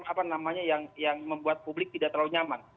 apa namanya yang membuat publik tidak terlalu nyaman